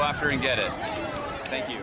ikuti dan mendapatkannya